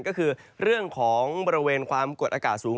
ก็คือเรื่องของบริเวณความกดอากาศสูง